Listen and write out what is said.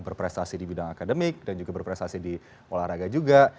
berprestasi di bidang akademik dan juga berprestasi di olahraga juga